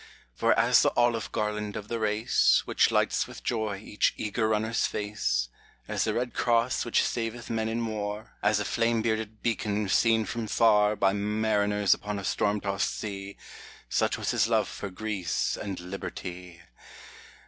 For as the olive garland of the race, Which lights with joy each eager runner's face, As the red cross which saveth men in war, As a flame bearded beacon seen from far By mariners upon a storm tossed sea, — Such was his love for Greece and Liberty